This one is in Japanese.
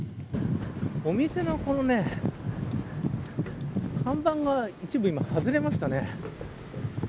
お店の看板が一部今、外れましたね。